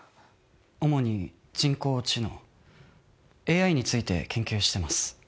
主に人工知能ＡＩについて研究してます。